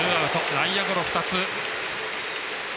内野ゴロ２つ。